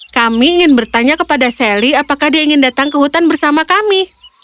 kami ingin bertanya kepada sally apakah dia ingin datang ke hutan bersama kami